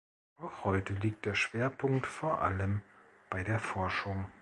Auch heute liegt der Schwerpunkt vor allem bei der Forschung.